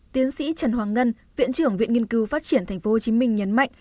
tiến sĩ trần hoàng ngân viện trưởng viện nghiên cứu phát triển tp hcm nhấn mạnh